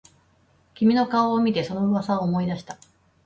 君の顔を見てその噂を思い出した